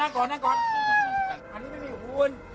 อันนี้ไม่มีคุณ